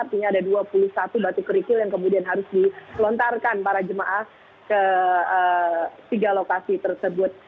artinya ada dua puluh satu batu kerikil yang kemudian harus dilontarkan para jemaah ke tiga lokasi tersebut